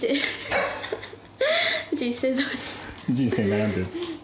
人生悩んでる。